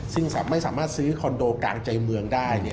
ซึ่งไม่สามารถซื้อคอนโดกลางใจเมืองได้